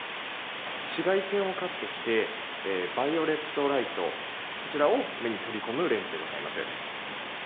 紫外線をカットして、バイオレットライト、こちらを目に取り込むレンズでございます。